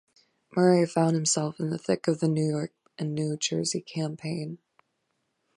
Murray found himself in the thick of the New York and New Jersey campaign.